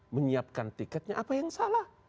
menyiapkan tiketnya apa yang salah